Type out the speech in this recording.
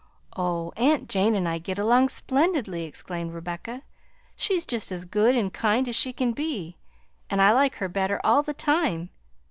"Oh, aunt Jane and I get along splendidly," exclaimed Rebecca; "she's just as good and kind as she can be, and I like her better all the time.